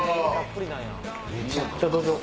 めちゃくちゃどじょう！